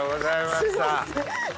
すみません。